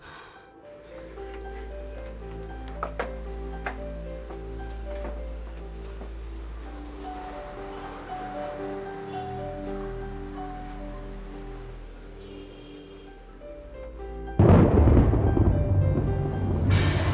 terepon tuh gue yang nangis